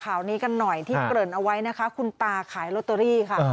ข่าวนี้กันหน่อยที่เกริ่นเอาไว้นะคะคุณตาขายลอตเตอรี่ค่ะ